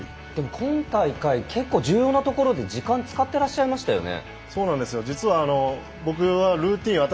今大会重要なところで時間を使っていらっしゃいましたよね。